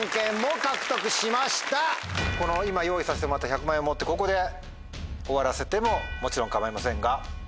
今用意させてもらった１００万円を持ってここで終わらせてももちろん構いませんが。